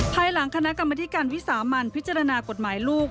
ภายหลังคณะกรรมธิการวิสามันพิจารณากฎหมายลูก